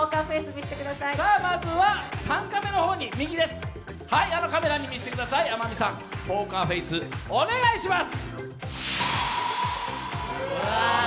まずは３カメの方、あのカメラに見せてください、ポーカーフェース、お願いします！